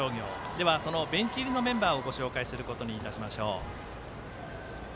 では、ベンチ入りのメンバーをご紹介することにいたしましょう。